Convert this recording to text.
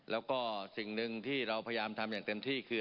แล้วก็สิ่งหนึ่งที่เราพยายามทำอย่างเต็มที่คือ